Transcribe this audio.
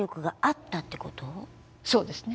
そうですね。